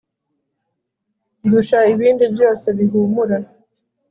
ndusha ibindi byose bihumura